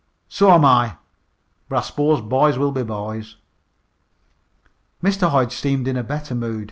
"So am I. But I s'pose boys will be boys." Mr. Hodge seemed in better mood.